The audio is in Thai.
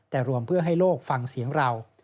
แต่รวมเพื่อให้โลกฟังเสียงเรา